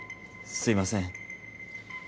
すいません。